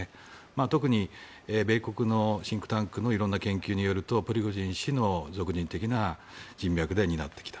特に米国のシンクタンクの色々な研究によるとプリゴジン氏の俗人的な人脈で担ってきた。